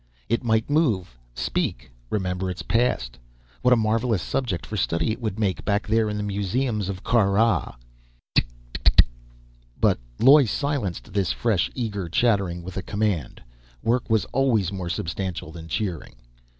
It might move, speak, remember its past! What a marvelous subject for study it would make, back there in the museums of Kar Rah! "Tik, tik, tik!..." But Loy silenced this fresh, eager chattering with a command. Work was always more substantial than cheering.